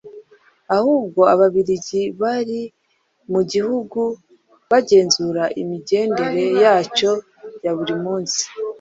ahubwo Ababiligi bari mu gihugu bagenzura imigendere yacyo ya buri munsi,